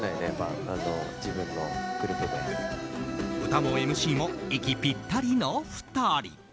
歌もＭＣも息ぴったりの２人。